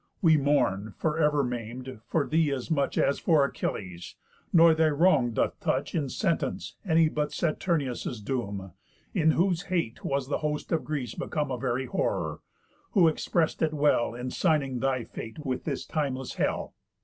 We mourn, for ever maim'd, for thee as much As for Achilles; nor thy wrong doth touch, In sentence, any but Saturnius' doom; In whose hate was the host of Greece become A very horror; who express'd it well In signing thy fate with this timeless hell.